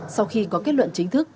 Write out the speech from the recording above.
sau khi có kết luận chính thức